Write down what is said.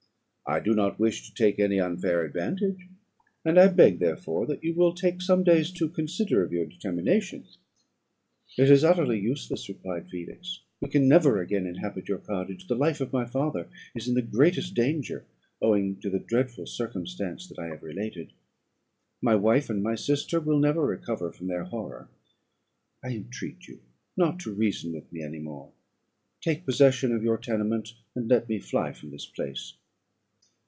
I do not wish to take any unfair advantage, and I beg therefore that you will take some days to consider of your determination.' "'It is utterly useless,' replied Felix; 'we can never again inhabit your cottage. The life of my father is in the greatest danger, owing to the dreadful circumstance that I have related. My wife and my sister will never recover their horror. I entreat you not to reason with me any more. Take possession of your tenement, and let me fly from this place.'